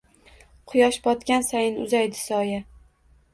Quyosh botgan sayin uzaydi soya